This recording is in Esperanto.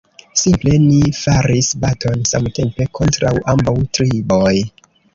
Simple ni faris baton samtempe kontraŭ ambaŭ triboj.